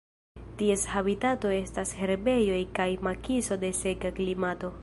Ties habitato estas herbejoj kaj makiso de seka klimato.